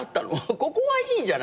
ここはいいじゃない。